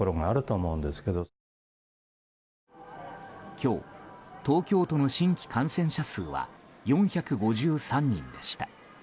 今日、東京都の新規感染者数は４５３人でした。